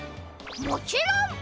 もちろん！